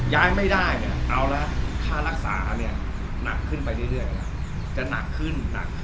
ย้ายไม่ได้เนี่ยเอาแล้วค่ารักษานักขึ้นไปเรื่อยจะหนักขึ้น